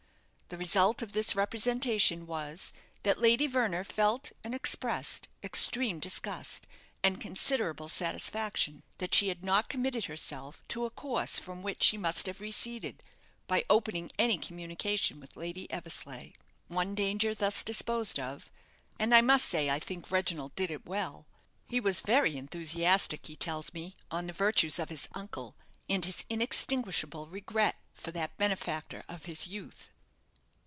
The result of this representation was, that Lady Verner felt and expressed extreme disgust, and considerable satisfaction that she had not committed herself to a course from which she must have receded, by opening any communication with Lady Eversleigh. One danger thus disposed of and I must say I think Reginald did it well he was very enthusiastic, he tells me, on the virtues of his uncle, and his inextinguishable regret for that benefactor of his youth."